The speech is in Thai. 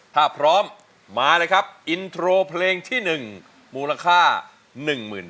ถ้าพร้อมมาเลยครับอินโทรเพลงที่๑มูลค่า๑๐๐๐บาท